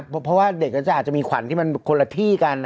เพราะว่าเด็กก็จะอาจจะมีขวัญที่มันคนละที่กัน